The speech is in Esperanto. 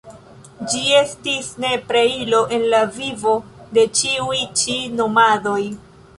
Ĝi estis nepra ilo en la vivo de ĉiuj ĉi nomadoj.